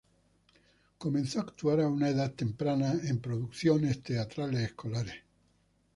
Comenzó a actuar a una edad temprana en producciones teatrales escolares.